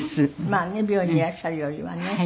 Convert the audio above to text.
まあね病院にいらっしゃるよりはね。